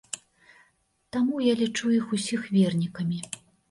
Таму я лічу іх усіх вернікамі.